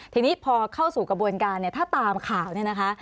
ทีนี้พอเข้าสู่กระบวนการเนี่ยถ้าตามข่าวเนี่ยนะคะ